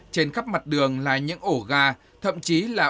trên khắp mặt đường là những ổ ga